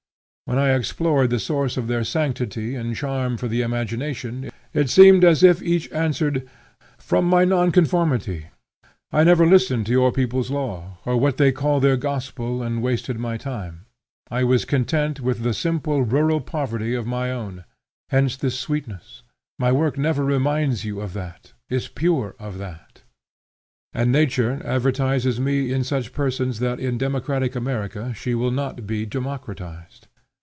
When I explored the source of their sanctity and charm for the imagination, it seemed as if each answered, 'From my nonconformity; I never listened to your people's law, or to what they call their gospel, and wasted my time. I was content with the simple rural poverty of my own; hence this sweetness; my work never reminds you of that; is pure of that.' And nature advertises me in such persons that in democratic America she will not be democratized.